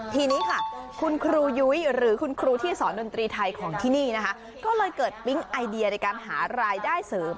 ทีนี้ค่ะคุณครูยุ้ยหรือคุณครูที่สอนดนตรีไทยของที่นี่นะคะก็เลยเกิดปิ๊งไอเดียในการหารายได้เสริม